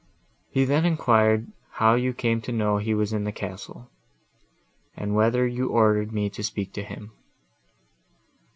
He then enquired how you came to know he was in the castle, and whether you ordered me to speak to him.